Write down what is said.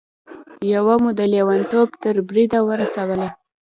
يوه مو د لېونتوب تر بريده ورسوله.